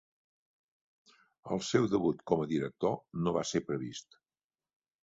El seu debut com a director no va ser previst.